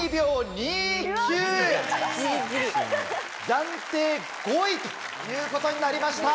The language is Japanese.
暫定５位ということになりました。